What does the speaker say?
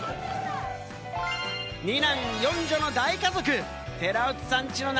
２男４女の大家族！